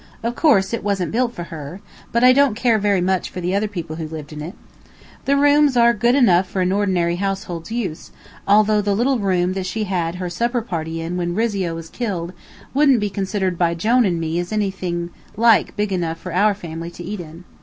Of course, it wasn't built for her, but I don't care very much for the other people who lived in it. The rooms are good enough for an ordinary household's use, although the little room that she had her supper party in when Rizzio was killed, wouldn't be considered by Jone and me as anything like big enough for our family to eat in.